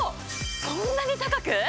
そんなに高く？